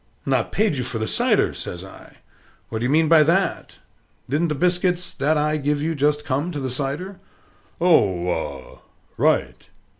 "Not paid you for the cider!" says I. "What do you mean by that? Didn't the biscuits that I give you just come to the cider?" "Oh, ah, right!"